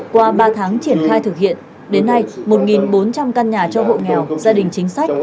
qua ba tháng triển khai thực hiện đến nay một bốn trăm linh căn nhà cho hộ nghèo gia đình chính sách